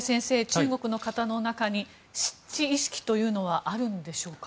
中国の方の中に失地意識というのはあるんでしょうか。